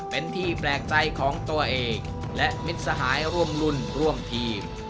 เป็นที่แปลกใจของตัวเองและมิตรสหายร่วมรุ่นร่วมทีม